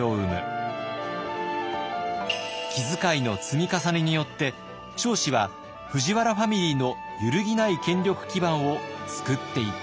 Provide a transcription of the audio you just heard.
気遣いの積み重ねによって彰子は藤原ファミリーの揺るぎない権力基盤を作っていったのです。